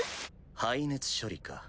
排熱処理か。